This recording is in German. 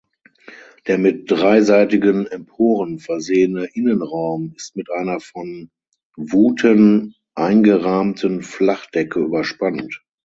Der mit dreiseitigen Emporen versehene Innenraum ist mit einer von Vouten eingerahmten Flachdecke überspannt.